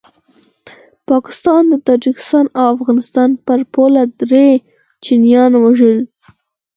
پاکستان د تاجکستان او افغانستان پر پوله دري چینایان ووژل